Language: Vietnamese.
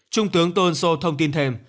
trung tướng tôn sô thông tin thêm